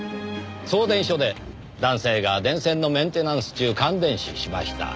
送電所で男性が電線のメンテナンス中感電死しました。